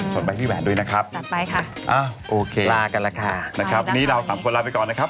สอนไปพี่แวนด้วยนะครับโอเคลากันแล้วค่ะนี่เรา๓คนลาไปก่อนนะครับ